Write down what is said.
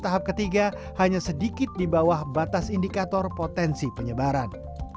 hanya sedikit di bawah batas indikator potensi penyebaran